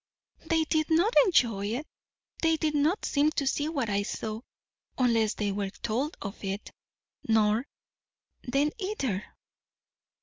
"They did not enjoy it. They did not seem to see what I saw, unless they were told of it; nor then either."